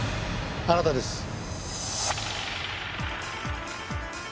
あなたです。